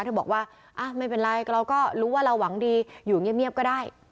เธอบอกว่าไม่เป็นไรเราก็รู้ว่าเราหวังดีอยู่เงียบก็ได้